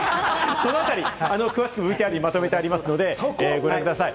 詳しくＶＴＲにまとめてありますので、ご覧ください。